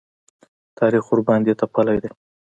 تاریخ ورباندې تپلی دی.